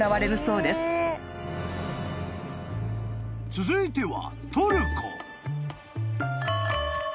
［続いては］